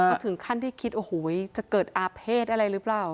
ก็ถึงขั้นที่คิดโอ้โหจะเกิดอาเภษอะไรหรือเปล่า